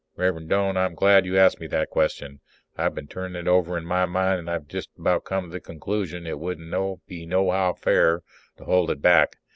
_ Rev'rend Doane, I'm glad you asked me that question. I've been turnin' it over in my mind and I've jest about come to the conclusion it wouldn't be nohow fair to hold it back.